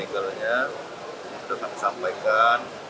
itu kami sampaikan